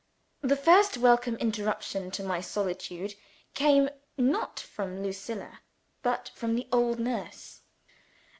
The first welcome interruption to my solitude came not from Lucilla but from the old nurse.